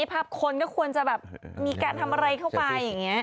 ภาพคนมีการทำอะไรเข้าไป